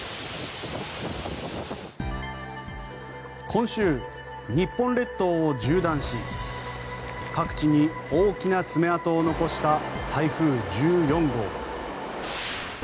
今週、日本列島を縦断し各地に大きな爪痕を残した台風１４号。